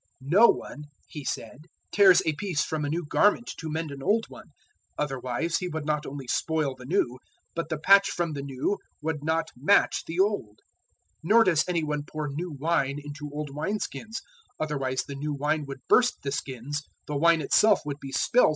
"No one," He said, "tears a piece from a new garment to mend an old one. Otherwise he would not only spoil the new, but the patch from the new would not match the old. 005:037 Nor does any one pour new wine into old wine skins. Otherwise the new wine would burst the skins, the wine itself would be spilt, and the skins be destroyed.